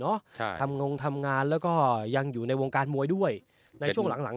ครับทำงงทำงานแล้วก็ยังอยู่ในวงการมวยด้วยในช่วงหลังหลัง